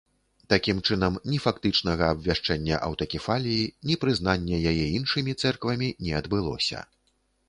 Такім чынам, ні фактычнага абвяшчэння аўтакефаліі, ні прызнання яе іншымі цэрквамі не адбылося.